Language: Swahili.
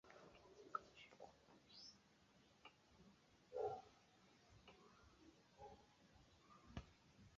Hatimaye yeye akawa mkurugenzi wake, wakati mumewe alijiunga na Utawa wa Tatu wa Mt.